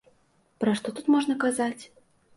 Пра што тут можна казаць?